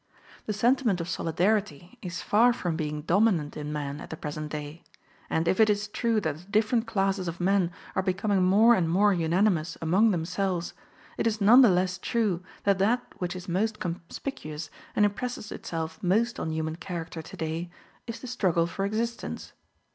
The sentiment of solidarity is far from being dominant in man at the present day; and if it is true that the different classes of men are becoming more and more unanimous among themselves, it is none the less true that that which is most conspicuous and impresses itself most on human character today is the struggle for existence.